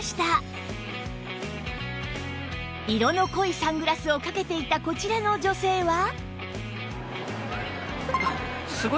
色の濃いサングラスをかけていたこちらの女性は？